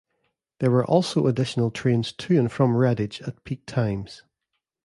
There were also additional trains to and from Redditch at peak times.